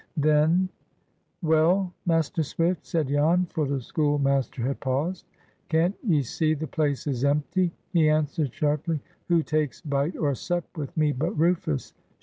Then"— "Well, Master Swift?" said Jan, for the schoolmaster had paused. "Can't ye see the place is empty?" he answered sharply. "Who takes bite or sup with me but Rufus?